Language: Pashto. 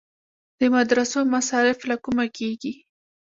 د مدرسو مصارف له کومه کیږي؟